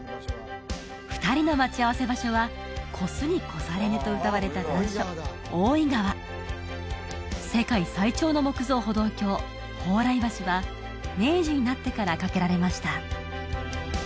２人の待ち合わせ場所は「越すに越されぬ」と歌われた難所大井川世界最長の木造歩道橋蓬莱橋は明治になってから架けられました